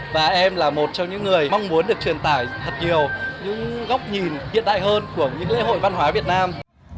và em là một trong những người mong muốn được truyền tải thật nhiều những góc nhìn hiện đại hơn của những lễ hội văn hóa việt nam